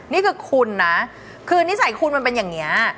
นี่คือคุณนะคือนิสัยคุณมันเป็นอย่างนี้